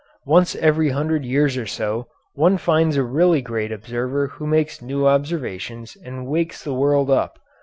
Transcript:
Once every hundred years or so one finds a really great observer who makes new observations and wakes the world up.